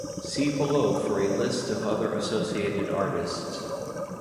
See below for a list of other associated artists.